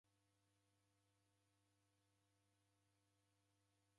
Kazi ra w'eke mao nderisiagha